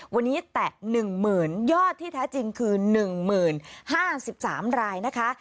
วันนี้แตะหนึ่งหมื่นยอดที่แท้จริงคือหนึ่งหมื่นห้าสิบสามรายนะคะ